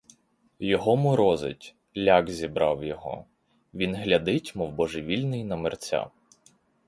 Його морозить, ляк зібрав його; він глядить мов божевільний на мерця.